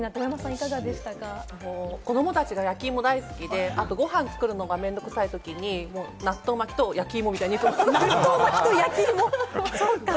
子供たちが焼き芋大好きで、あとごはんを作るのが面倒くさいときに納豆巻きと焼き芋みたいな。